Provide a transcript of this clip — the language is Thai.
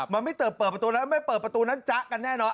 มันไม่เติบเปิดประตูแล้วไม่เปิดประตูนั้นจ๊ะกันแน่นอน